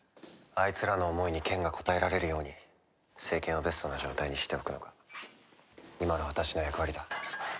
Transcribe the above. あいつらの思いに剣が応えられるように聖剣をベストな状態にしておくのが今の私の役割だ。